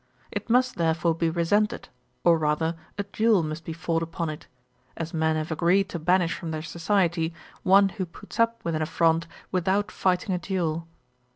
It must therefore be resented, or rather a duel must be fought upon it; as men have agreed to banish from their society one who puts up with an affront without fighting a duel.